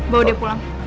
bawa dia pulang